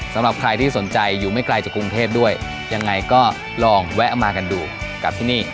สำหรับใครที่สนใจอยู่ไม่ไกลจากกรุงเทพด้วยยังไงก็ลองแวะมากันดูกับที่นี่